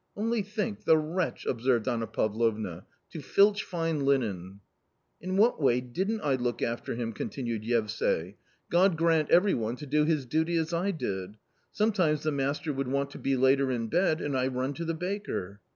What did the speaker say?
" Only think, the wretch," observed Anna Pavlovna, " to filch fine linen." " In what way didn't I look after him !" continued Yevsay, " God grant every one to do his duty as I did. Sometimes the master would want to be later in bed, and I run to the baker."